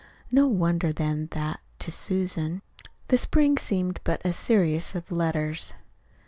No wonder, then, that, to Susan, the spring seemed but a "serious of letters."